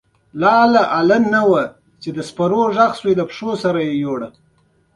او سيمه يې د پام وړ ګرځېدلې